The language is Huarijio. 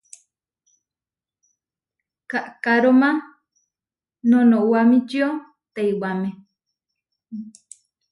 Kaʼkaróma noʼnowamíčio teiwáme.